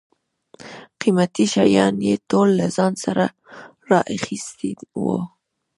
قیمتي شیان یې ټول له ځان سره را اخیستي و.